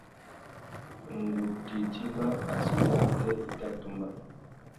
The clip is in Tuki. Ngu tà idjima assênatê i tà tumba.